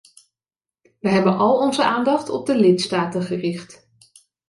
Wij hebben al onze aandacht op de lidstaten gericht.